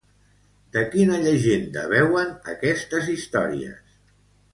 De quina llegenda beuen aquestes històries?